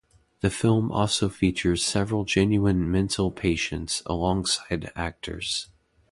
The film also features several genuine mental patients alongside actors.